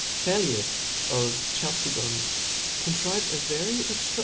Phaleas of Chalcedon (0 contrived a very extra cap.